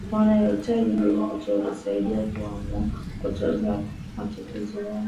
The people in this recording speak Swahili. wanahitaji jibu litakalosaidia kuwakwamua kutoka matatizo yao